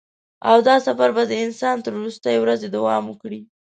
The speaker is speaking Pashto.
او دا سفر به د انسان تر وروستۍ ورځې دوام وکړي.